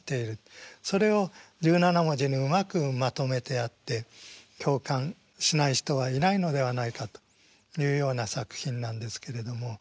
それを十七文字にうまくまとめてあって共感しない人はいないのではないかというような作品なんですけれども。